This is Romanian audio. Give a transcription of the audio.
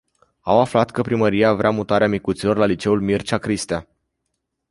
Au aflat că primăria vrea mutarea micuților la liceul Mircea Cristea.